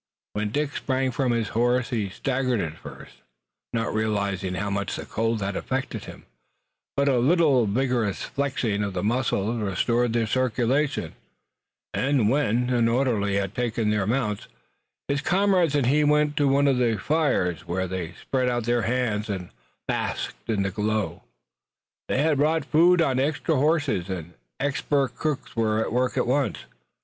When Dick sprang from his horse he staggered at first, not realizing how much the cold had affected him, but a little vigorous flexing of the muscles restored the circulation, and, when an orderly had taken their mounts, his comrades and he went to one of the fires, where they spread out their hands and basked in the glow. They had brought food on extra horses, and expert cooks were at work at once.